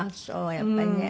やっぱりね。